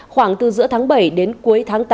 khoảng từ giữa tháng bảy đến cuối tháng tám